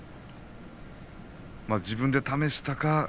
自分で試したか